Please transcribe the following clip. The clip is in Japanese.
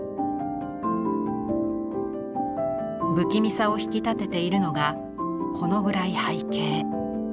不気味さを引き立てているのがほの暗い背景。